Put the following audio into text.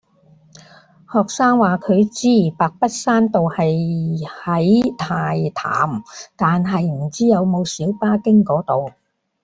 學生話佢知白筆山道係喺大潭，但係唔知有冇小巴經嗰度